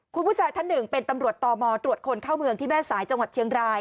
คุณผู้ชายท่านหนึ่งเป็นตำรวจตมตรวจคนเข้าเมืองที่แม่สายจังหวัดเชียงราย